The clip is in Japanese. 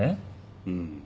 うん。